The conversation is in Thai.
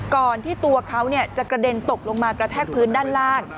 ก่อนที่ตัวเขาจะกระเด็นตกลงมากระแทกพื้นด้านล่าง